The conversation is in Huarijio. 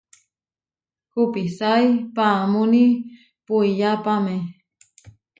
Kupisái paamúni puiyápame.